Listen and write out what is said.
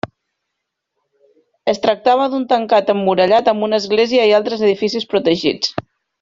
Es tractava d'un tancat emmurallat amb una església i altres edificis protegits.